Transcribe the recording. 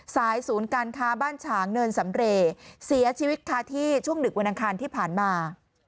สายศูนย์การค้าบ้านฉางเนินสำเรย์เสียชีวิตค่ะที่ช่วงดึกวันอังคารที่ผ่านมา